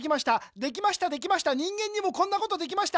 できましたできました人間にもこんなことできました